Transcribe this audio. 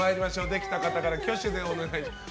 できた方から挙手でお願いします。